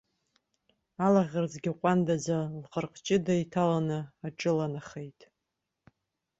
Алаӷырӡгьы ҟәандаӡа лҟырҟҷыда иҭаланы аҿыланахеит.